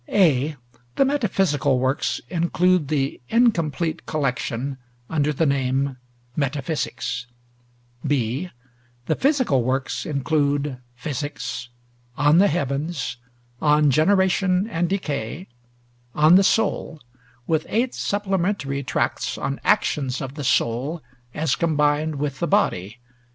(a) The Metaphysical works include the incomplete collection under the name 'Metaphysics,' (b) The Physical works include 'Physics,' 'On the Heavens,' 'On Generation and Decay,' 'On the Soul,' with eight supplementary tracts on actions of the soul as combined with the body; viz.